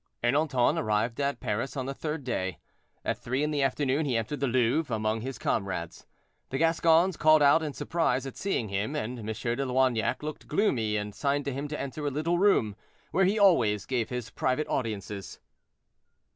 Ernanton arrived at Paris on the third day. At three in the afternoon he entered the Louvre, among his comrades. The Gascons called out in surprise at seeing him, and M. de Loignac looked gloomy, and signed to him to enter a little room, where he always gave his private audiences.